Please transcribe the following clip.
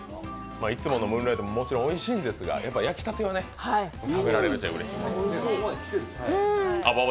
いつものムーンライトももちろんおいしいんですが焼きたてを食べられてうれしい。